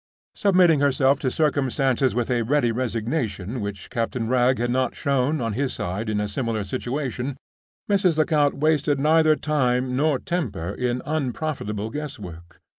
Submitting herself to circumstances with a ready resignation which Captain Wragge had not shown, on his side, in a similar situation, Mrs. Lecount wasted neither time nor temper in unprofitable guess work.